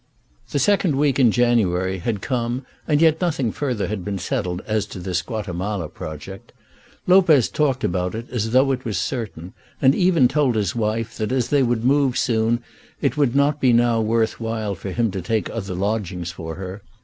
The second week in January had come and yet nothing further had been settled as to this Guatemala project. Lopez talked about it as though it was certain, and even told his wife that as they would move so soon it would not be now worth while for him to take other lodgings for her.